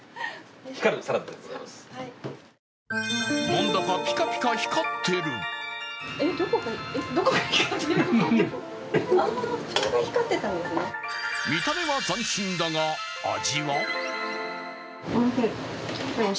なんだかピカピカ光ってる見た目は斬新だが、味は？